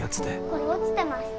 これ落ちてました。